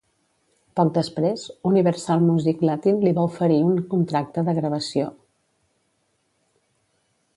Poc després, Universal Music Latin li va oferir un contracte de gravació.